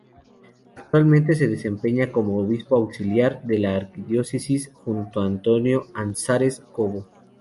Actualmente se desempeña como obispo auxiliar de la archidiócesis, Juan Antonio Aznárez Cobo.